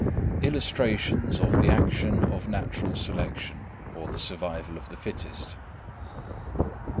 _Illustrations of the Action of Natural Selection, or the Survival of the Fittest.